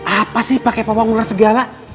apa sih pakai pawang ular segala